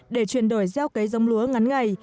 để chuyển đổi gieo cấy dông lúa ngắn ngày